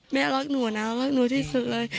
แม่รักหนูนะรักหนูที่สุดเลย